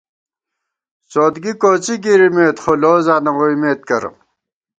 سودگی کوڅی گِرِمېت، خو لوزاں نہ ووئیمېت کرہ